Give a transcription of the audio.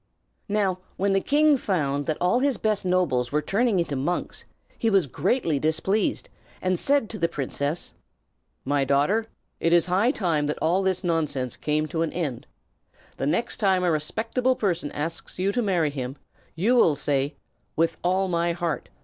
Now, when the king found that all his best nobles were turning into monks, he was greatly displeased, and said to the princess: "My daughter, it is high time that all this nonsense came to an end. The next time a respectable person asks you to marry him, you will say, 'With all my heart!'